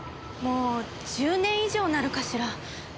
もう１０年以上になるかしら。